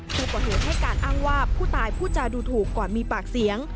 ผู้ก่อเหตุให้การอ้างว่าผู้ตายพูดจาดูถูกก่อนมีปากเสียง